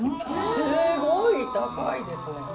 すごい高いですね。